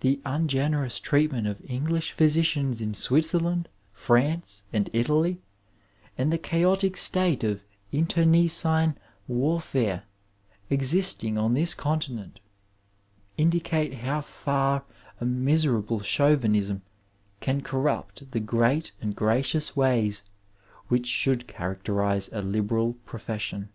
The ungenerous treatment of English physi cians in Switzerland, France, and Italy, and the chaotic state of internecine warfare existing on this continent, indicate how far a miserable Chauvinism can corrupt the great and gracious ways which should characterize a libera profession.